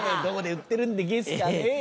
どこで売ってるんでげすかね？